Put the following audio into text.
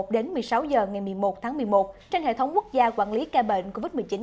đến một mươi sáu h ngày một mươi một tháng một mươi một trên hệ thống quốc gia quản lý ca bệnh covid một mươi chín